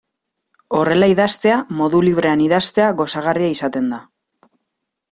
Horrela idaztea, modu librean idaztea, gozagarria izaten da.